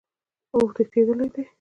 اوتښتیدلی دي